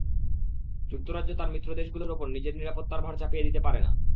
যুক্তরাজ্য তার মিত্রদেশগুলোর ওপর নিজের নিরাপত্তার ভার চাপিয়ে দিতে পারে না।